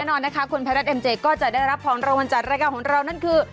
แน่นอนนะคะคุณแพทย์รัฐเอ็มเจก็จะได้รับพร้อมรวมจากรายการของเรานั่นคือ